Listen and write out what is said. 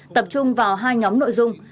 tập trung vào hai nhóm nội dung